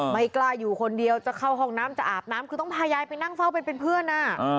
ไม่กล้าอยู่คนเดียวจะเข้าห้องน้ำจะอาบน้ำคือต้องพายายไปนั่งเฝ้าเป็นเพื่อน